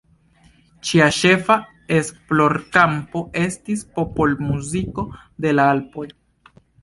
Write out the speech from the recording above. Ŝia ĉefa esplorkampo estis popolmuziko de la Alpoj.